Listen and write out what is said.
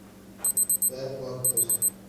We bar kir.